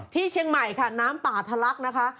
ที่เชียงใหม่ค่ะน้ำป่าทะลักนะคะ